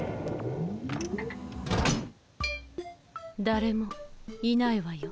だれもいないわよ